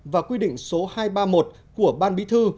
và quy định số hai trăm ba mươi một của ban bí thư